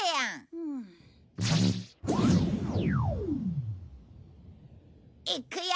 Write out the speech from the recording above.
うん。いくよ！